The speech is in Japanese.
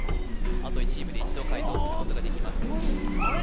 あとチームで１度解答することができますあれ？